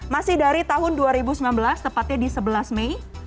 masih dari tahun dua ribu sembilan belas tepatnya di sebelas mei